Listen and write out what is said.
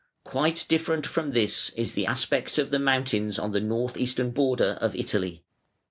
Quite different from this is the aspect of the mountains on the north eastern border of Italy.